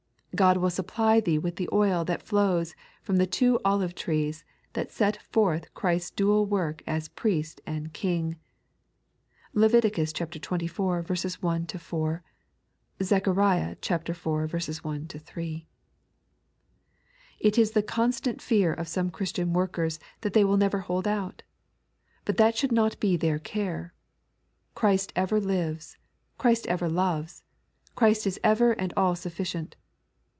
God will supply thee with the oil that flows irom the two olive trees that set forth Christ's dual work as Priest and King (Iiev. xxiv. 1 4 ; Zech. iv. 1 3). It is the constant fear of some Christian workers that they will never hold out. But that should not be their care. Christ ever lives, Christ ever loves, Christ is ever and all sufficient.